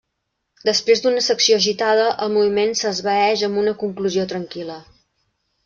Després d'una secció agitada el moviment s'esvaeix amb una conclusió tranquil·la.